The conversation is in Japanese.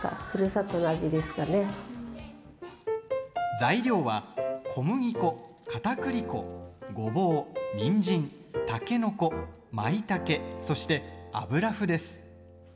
材料は、小麦粉、かたくり粉ごぼう、にんじん、たけのこまいたけ、そして油ふです。